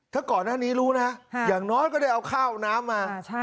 ถ้าก่อนหน้านี้รู้นะอย่างน้อยก็ได้เอาข้าวน้ำมา